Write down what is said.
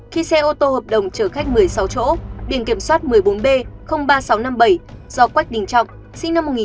khi xe ô tô hợp đồng chở khách một mươi sáu chỗ điện kiểm soát một mươi bốn b ba nghìn sáu trăm năm mươi bảy do quách đình trọng